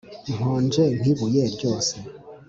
nkonje nkibuye ryose